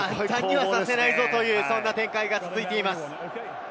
互いに簡単にはさせないぞという展開が続いています。